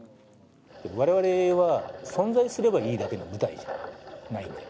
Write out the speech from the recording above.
我々は存在すればいいだけの部隊ではないです。